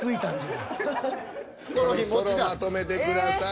そろそろまとめてください。